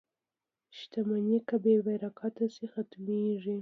• شتمني که بې برکته شي، ختمېږي.